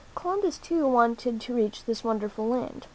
Columbus, too, wanted to reach this wonderful land.